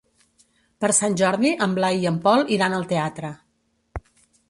Per Sant Jordi en Blai i en Pol iran al teatre.